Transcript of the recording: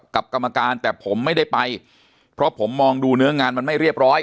กรรมการแต่ผมไม่ได้ไปเพราะผมมองดูเนื้องานมันไม่เรียบร้อย